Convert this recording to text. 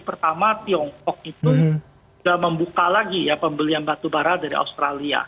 pertama tiongkok itu sudah membuka lagi ya pembelian batu bara dari australia